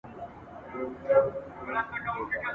څه د اوس او څه زړې دي پخوانۍ دي !.